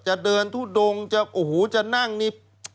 จะเดินทู่รงงจะโอ้โหจะนั่งนิบ